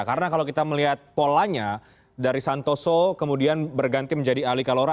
karena kalau kita melihat polanya dari santoso kemudian berganti menjadi ahli kalora